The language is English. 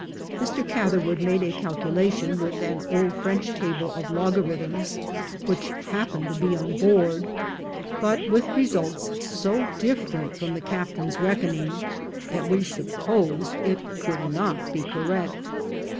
Mr. Catherwood made a calculation with an old French table of logarithms which happened to be on board, but with results so dif ferent from the captain's reckoning that we supposed it could not be correct.